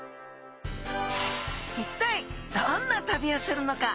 一体どんな旅をするのか？